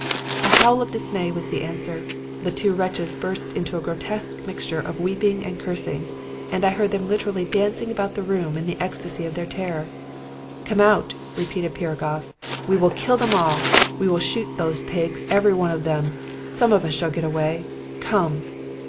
"A howl of dismay was the answer. The two wretches burst into a grotesque mixture of weeping and cursing, and I heard them literally dancing about the room in the ecstasy of their terror. "'Come out!' repeated Piragoff. 'We will kill them all! We will shoot those pigs, every one of them! Some of us shall get away. Come!'